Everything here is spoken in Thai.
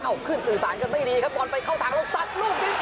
อ้าวขึ้นสื่อสารกันไม่ดีครับบอลไปเข้าถังแล้วสัดลูกบิ๊กโอ้โห